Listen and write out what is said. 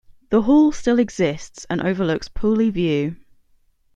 The hall still exists and overlooks Pooley View.